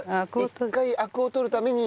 一回アクを取るために沸かす。